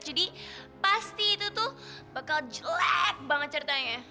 jadi pasti itu tuh bakal jelek banget ceritanya